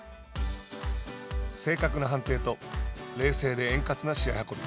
正確な判定と冷静で円滑な試合運び。